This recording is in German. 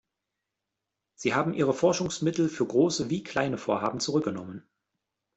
Sie haben ihre Forschungsmittel für große wie kleine Vorhaben zurückgenommen.